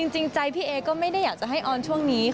จริงใจพี่เอก็ไม่ได้อยากจะให้ออนช่วงนี้ค่ะ